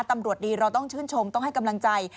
ตำรวจดีเราต้องชื่นชมต้องให้กำลังใจ